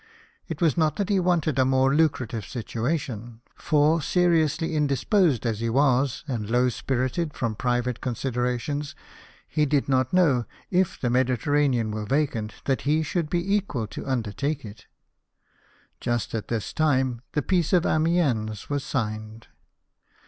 It was not that he wanted a more lucrative situation ; for, seriously indisposed as he was, and low spirited from private considerations, he did not know, if the Mediterranean were vacant, that he should be equal to undertake it. Just at this time the Peace of Amiens was signed.